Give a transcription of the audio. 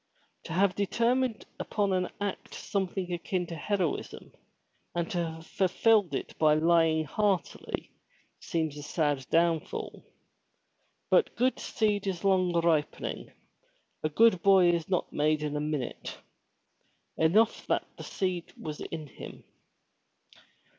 To have determined upon an act something akin to heroism, and to have fulfilled it by lying heartily, seems a sad downfall. But good seed is long ripening, a good boy is not made in a minute. Enough that the seed was in him.